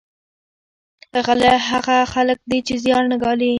غله هغه خلک دي چې زیار نه ګالي